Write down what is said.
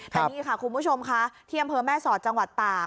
แต่นี่ค่ะคุณผู้ชมค่ะที่อำเภอแม่สอดจังหวัดตาก